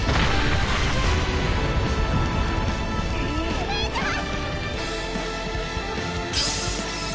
お姉ちゃん！